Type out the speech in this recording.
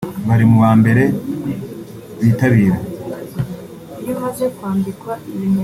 bari mu ba mbere bitabira